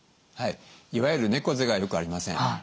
はいいわゆる猫背がよくありません。